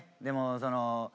でもそのう。